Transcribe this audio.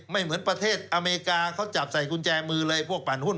เหมือนประเทศอเมริกาเขาจับใส่กุญแจมือเลยพวกปั่นหุ้น